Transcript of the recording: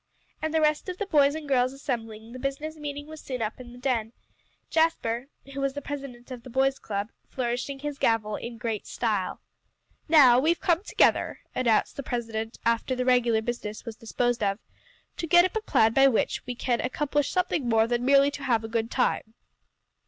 And the rest of the boys and girls assembling, the business meeting was soon begun in the "den," Jasper who was the president of the boys' club, flourishing his gavel in great style. "Now we've come together," announced the president after the regular business was disposed of, "to get up a plan by which we can accomplish something more than merely to have a good time."